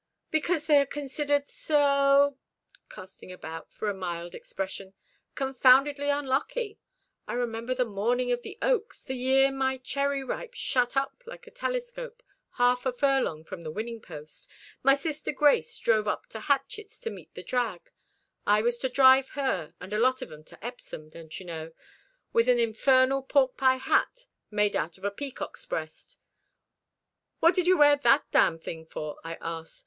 "Because they are considered so" casting about for a mild expression "confoundedly unlucky. I remember the morning of the Oaks, the year my Cherryripe shut up like a telescope half a furlong from the winning post, my sister Grace drove up to Hatchett's to meet the drag I was to drive her and a lot of 'em to Epsom, don't you know with an infernal pork pie hat made out of a peacock's breast. 'What did you wear that damn thing for?' I asked.